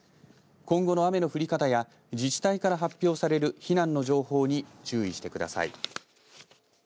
今後の雨の降り方や自治体から発表される避難の情報に注意してください。